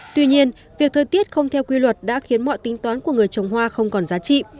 tuy nhiên việc thời tiết không theo quy luật đã khiến mọi tính toán của người trồng hoa không còn giá trị